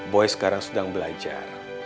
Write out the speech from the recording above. boy sekarang sedang belajar